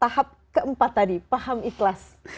tahap keempat tadi paham ikhlas